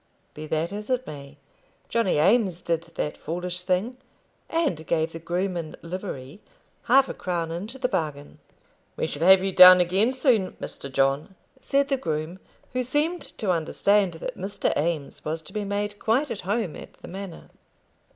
Be that as it may, Johnny Eames did that foolish thing, and gave the groom in livery half a crown into the bargain. "We shall have you down again soon, Mr. John," said the groom, who seemed to understand that Mr. Eames was to be made quite at home at the manor.